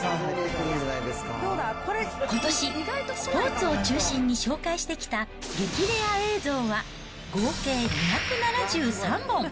ことし、スポーツを中心に紹介してきた激レア映像は合計２７３本。